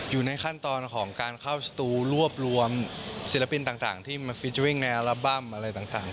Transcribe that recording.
อยู่ในขั้นตอนของการเข้าสตูรวบรวมศิลปินต่างที่มาฟิเจอร์วิ่งในอัลบั้มอะไรต่าง